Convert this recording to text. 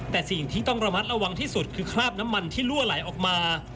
แต่สิ่งที่ต้องระมัดระวังที่สุดคือคราบน้ำมันที่ลั่วไหลออกมา